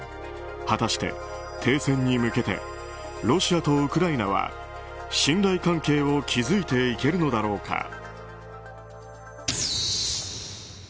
果たして、停戦に向けてロシアとウクライナは信頼関係を築いていけるのだろうか。